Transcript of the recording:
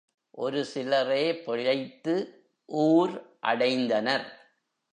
ஒரு சிலரே பிழைத்து ஊர் அடைந்தனர்.